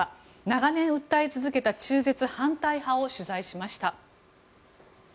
長年訴え続けた中絶反対派を取材しました。